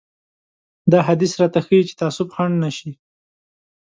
دا حديث راته ښيي چې تعصب خنډ نه شي.